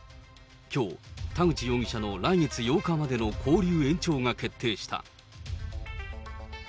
きょう、田口容疑者の来月８日までの勾留延長が決定した。